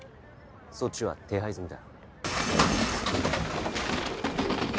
そっちは手配済みだ。